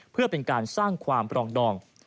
เพื่อเป็นการสร้างความปรองดอง